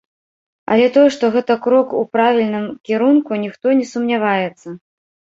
Але тое, што гэта крок у правільным кірунку, ніхто не сумняваецца.